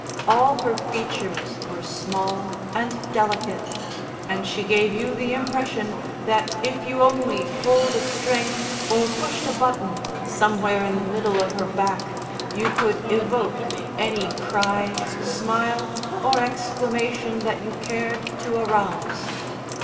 All her features were small and delicate, and she gave you the impression that if you only pulled a string or pushed a button somewhere in the middle of her back you could evoke any cry, smile or exclamation that you cared to arouse.